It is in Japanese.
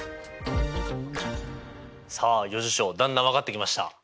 さあ余事象だんだん分かってきました。